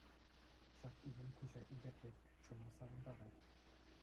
Ҫак илем куҫа илӗртет, чуна савӑнтарать.